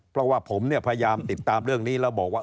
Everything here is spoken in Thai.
เพราะว่าผมเนี่ยพยายามติดตามเรื่องนี้แล้วบอกว่า